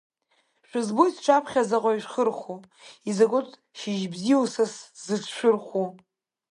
Шәызбоит сҿаԥхьа заҟаҩ шәхырхәо, изакәытә шьыжьбзиоу са сзыҿшәырхәо.